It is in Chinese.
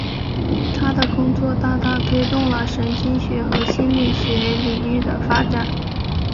他的工作大大推动了神经学和心理学领域的发展。